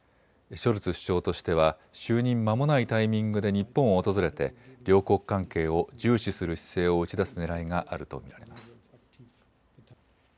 ショルツ首相としては就任まもないタイミングで日本を訪れて両国関係を重視する姿勢を打ち出すねらいがあると見られます。